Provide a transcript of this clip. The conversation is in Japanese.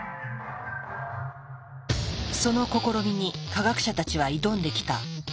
その試みに科学者たちは挑んできた。